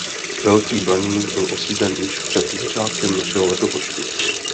Velký Blaník byl osídlen již před začátkem našeho letopočtu.